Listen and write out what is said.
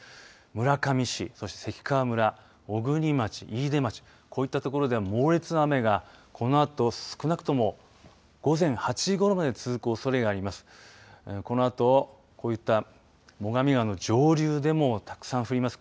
村上市、そして関川村、小国町、飯豊町こういった所では猛烈な雨がこのあと、少なくとも午前８時ごろまで続くおそれがあります。